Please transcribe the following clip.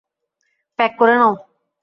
Pack করে নাও!